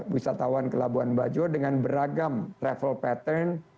wisatawan ke labuan bajo dengan beragam travel pattern